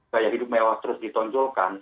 gaya hidup mewah terus ditonjolkan